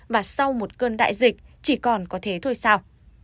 và sau một cơn đại dịch chỉ còn có thế thôi sau